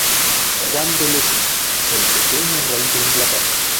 Juan de Lepe, el pequeño Rey de Inglaterra.